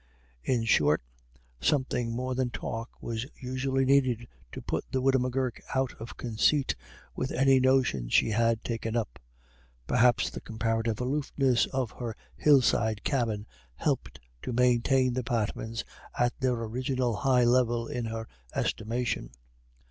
In short, something more than talk was usually needed to put the widow M'Gurk out of conceit with any notion she had taken up. Perhaps the comparative aloofness of her hillside cabin helped to maintain the Patmans at their original high level in her estimation.